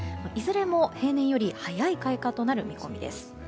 いずれも平年より早い開花となる見込みです。